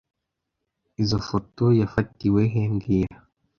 Izoi foto yafatiwe he mbwira